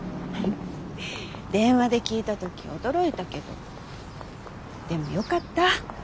電話で聞いた時驚いたけどでもよかった。